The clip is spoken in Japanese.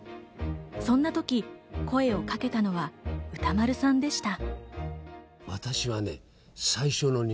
そんな時、声をかけたのは歌丸さんでした。